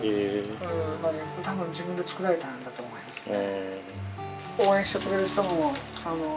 多分自分で作られたんだと思いますね。